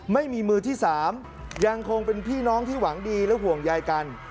ไม่มีมือที่๓ยังคงเป็นพี่น้องที่หวังดีและห่วงใยกัน